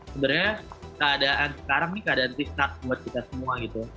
sebenarnya keadaan sekarang ini keadaan risak buat kita semua gitu